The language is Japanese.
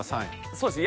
そうですね。